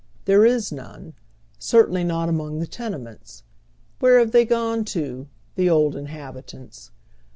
There is none ; certainly not among the tenements. Where have they gone to, the old inhabitants?